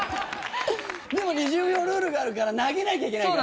でも２０秒ルールがあるから投げなきゃいけないから。